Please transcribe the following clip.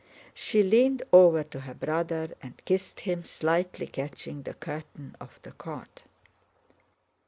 She leaned over to her brother and kissed him, slightly catching the curtain of the cot.